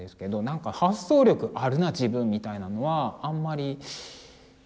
なんか「発想力あるな自分」みたいなのはあんまりなかったですね。